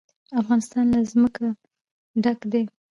افغانستان له ځمکه ډک دی.